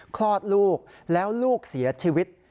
คลอดลูกแล้วลูกเสียชีวิต